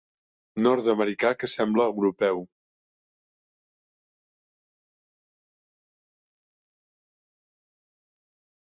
Nord-americà que sembla europeu.